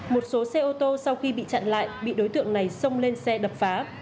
một số xe ô tô sau khi bị chặn lại bị đối tượng này xông lên xe đập phá